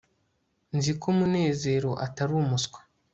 nzi ko munezero atari umuswa